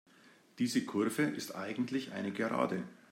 Diese Kurve ist eigentlich eine Gerade.